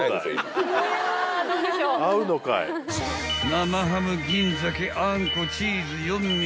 ［生ハム銀鮭あんこチーズ四位